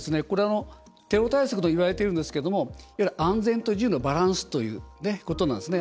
テロ対策と言われてるんですけどもいわゆる安全と自由のバランスということなんですね。